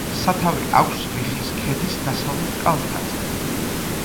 სათავე აქვს ლიხის ქედის დასავლეთ კალთაზე.